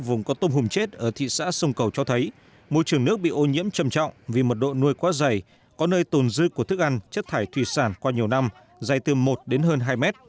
vùng có tôm hùm chết ở thị xã sông cầu cho thấy môi trường nước bị ô nhiễm trầm trọng vì mật độ nuôi quá dày có nơi tồn dư của thức ăn chất thải thủy sản qua nhiều năm dài từ một đến hơn hai mét